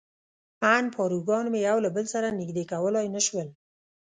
ان پاروګان مې یو له بل سره نژدې کولای نه شول.